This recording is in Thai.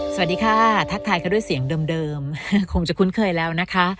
สวัสดีค่ะทักทายเขาด้วยเสียงเดิมคงจะคุ้นเคยแล้วนะคะ